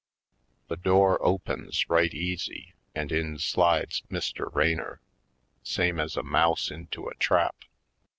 The door opens right easy and in slides Mr. Raynor, same as a mouse into a trap.